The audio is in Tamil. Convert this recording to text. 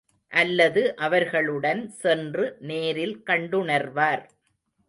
அல்லது அவர்களுடன் சென்று நேரில் கண்டுணர்வார்.